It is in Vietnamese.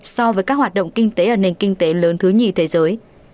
so với các hoạt động kinh tế ở nền kinh tế lớn thứ nhì thế giới